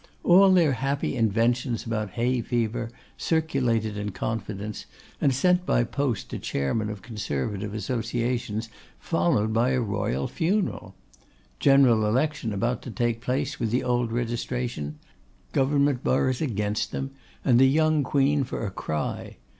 All their happy inventions about 'hay fever,' circulated in confidence, and sent by post to chairmen of Conservative Associations, followed by a royal funeral! General election about to take place with the old registration; government boroughs against them, and the young Queen for a cry.